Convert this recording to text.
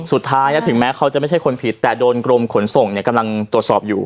สุดท้ายถึงแม้เขาจะไม่ใช่คนผิดแต่โดนกรมขนส่งเนี่ยกำลังตรวจสอบอยู่